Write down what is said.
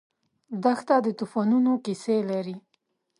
دښته د توفانونو کیسې لري.